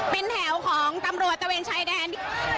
เป็นแถวของตำรวจตะเวนชายแดน